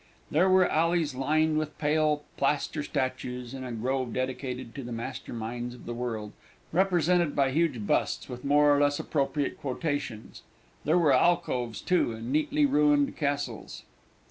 There were alleys lined with pale plaster statues, and a grove dedicated to the master minds of the world, represented by huge busts, with more or less appropriate quotations. There were alcoves, too, and neatly ruined castles.